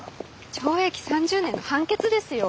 懲役３０年の判決ですよ。